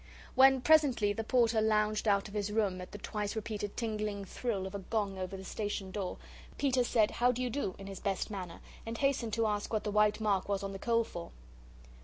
When presently the Porter lounged out of his room at the twice repeated tingling thrill of a gong over the station door, Peter said, "How do you do?" in his best manner, and hastened to ask what the white mark was on the coal for.